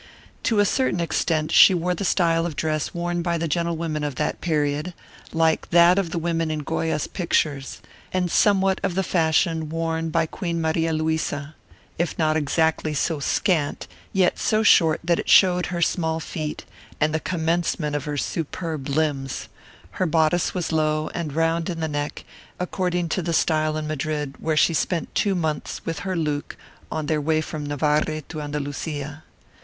To a certain extent she wore the style of dress worn by the gentlewomen of that period; like that of the women in Goya's pictures, and somewhat of the fashion worn by Queen Maria Louisa: if not exactly so scant, yet so short that it showed her small feet, and the commencement of her superb limbs; her bodice was low, and round in the neck, according to the style in Madrid, where she spent two months with her Luke on their way from Navarre to Andalusia.